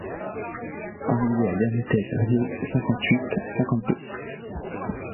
Arrivée à l’ermitaige Riault cinquante-huit cinquante-deux.